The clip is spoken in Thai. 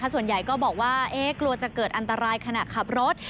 ส่วนใหญ่ก็บอกว่ากลัวจะเกิดอันตรายขณะขับรถ